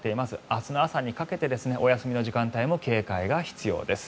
明日の朝にかけてお休みの時間帯に警戒が必要です。